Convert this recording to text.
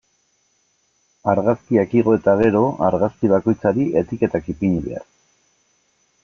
Argazkiak igo eta gero, argazki bakoitzari etiketak ipini behar.